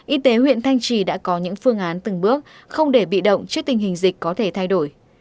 y tế huyện thanh trì đã có những phương án từng bước không để bị động trước tình hình dịch có thể thay đổi